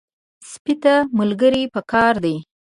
سپي ته ملګري پکار دي.